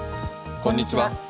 こんにちは。